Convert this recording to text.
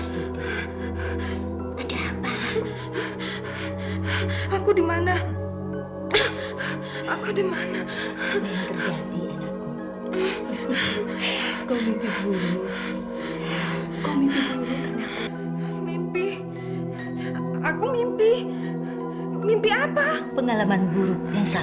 sampai jumpa di video selanjutnya